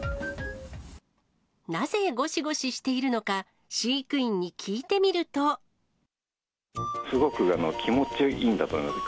なぜごしごししているのか、すごく気持ちいいんだと思います。